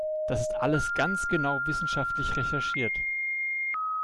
Das ist alles ganz genau wissenschaftlich recherchiert!